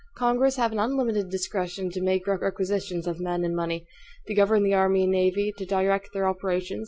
Congress have an unlimited discretion to make requisitions of men and money; to govern the army and navy; to direct their operations.